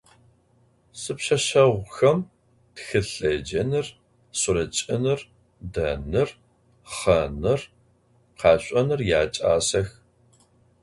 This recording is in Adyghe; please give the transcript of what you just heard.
Sipşseşseğuxem txılhêcenır, suretş'ınır, denır, xhenır, kheşsonır yaç'asex.